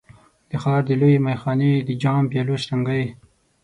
د ښار د لویې میخانې د جام، پیالو شرنګی